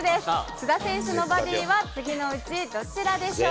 須田選手のバディは次のうち、どちらでしょう？